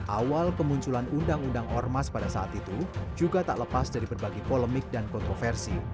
awal kemunculan undang undang ormas pada saat itu juga tak lepas dari berbagai polemik dan kontroversi